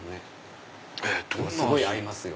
すごい合いますよ。